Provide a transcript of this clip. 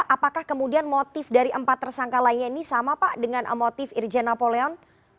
apakah kemudian motif dari empat tersangka lainnya ini sama pak dengan motif irjen napoleon